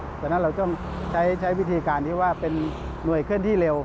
เพราะฉะนั้นเราต้องใช้วิธีการที่ว่าเป็นหน่วยเคลื่อนที่เร็ว